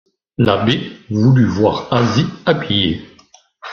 L’abbé voulut voir Asie habillée.